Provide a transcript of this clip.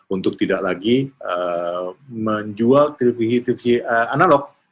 untuk tidak lagi menjual televisi tv analog